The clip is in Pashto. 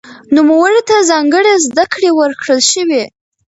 نوموړي ته ځانګړې زده کړې ورکړل شوې.